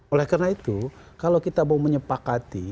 oleh karena itu kalau kita mau menyepakati